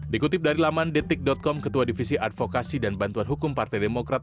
dikutip dari laman detik com ketua divisi advokasi dan bantuan hukum partai demokrat